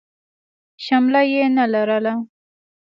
شمله يې نه لرله.